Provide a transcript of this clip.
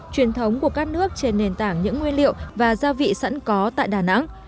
truyền thống của các nước trên nền tảng những nguyên liệu và gia vị sẵn có tại đà nẵng